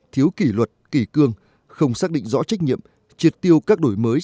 thiếu kỳ luật kỳ cương không xác định rõ trách nhiệm triệt tiêu các đổi mới